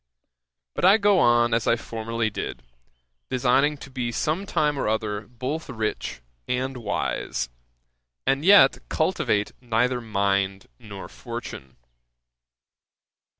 But I go on as I formerly did, designing to be some time or other both rich and wise; and yet cultivate neither mind nor fortune.